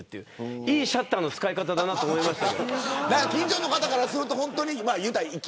いいシャッターの使い方だなと思いました。